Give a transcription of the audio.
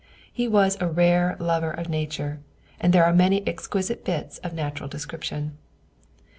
He was a rare lover of nature, and there are many exquisite bits of natural description.